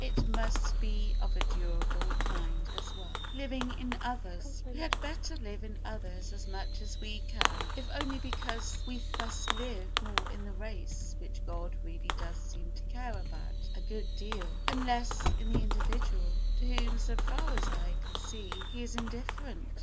It must be of a durable kind as well. Living in Others We had better live in others as much as we can if only because we thus live more in the race, which God really does seem to care about a good deal, and less in the individual, to whom, so far as I can see, he is indifferent.